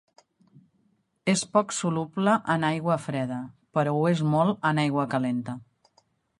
És poc soluble en aigua freda però ho és molt en aigua calenta.